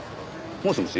もしもし。